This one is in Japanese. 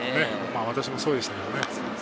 私もそうでしたけどね。